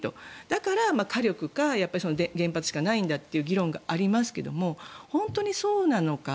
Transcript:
だから、火力か原発しかないんだという議論がありますが本当にそうなのか。